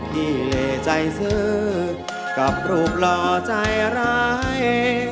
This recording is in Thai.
พี่เล่ใจซื้อกับรูปลอใจร้าย